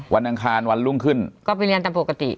อังคารวันรุ่งขึ้นก็ไปเรียนตามปกติ